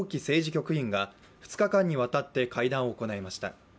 局員が２日間にわたって会談を行いました。